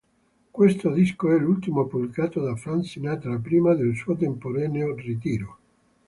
Questo disco è l'ultimo pubblicato da Frank Sinatra prima del suo temporaneo ritiro.